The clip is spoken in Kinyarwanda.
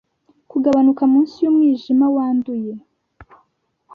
kugabanuka Munsi yumwijima wanduye.